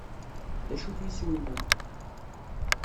D acu-t yiswi-nnem?